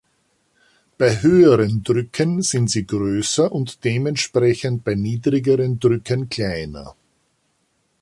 Bei höheren Drücken sind sie größer und dementsprechend bei niedrigeren Drücken kleiner.